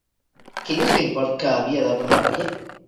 Quin és l'import que havia d'abonar Boye?